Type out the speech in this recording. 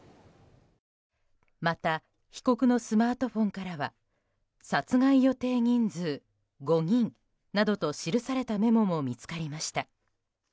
また被告のスマートフォンからは殺害予定人数５人などと記されたメモも見つかりました。